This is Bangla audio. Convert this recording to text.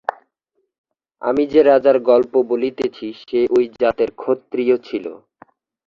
আমি যে রাজার গল্প বলিতেছি সে ঐ জাতের ক্ষত্রিয় ছিল।